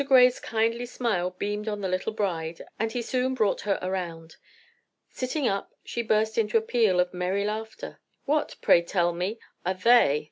Gray's kindly smile beamed on the little bride, and he soon brought her around. Sitting up, she burst into a peal of merry laughter. "What, pray tell me, are they?"